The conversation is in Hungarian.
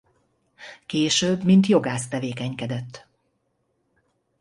Később mint jogász tevékenykedett.